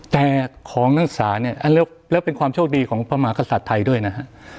แต่ของภาษานี่ยังเป็นความโชคดีของพระมากษัตริย์ไทยด้วยนะ